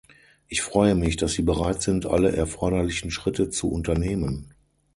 Ich freue mich, dass Sie bereit sind, alle erforderlichen Schritte zu unternehmen.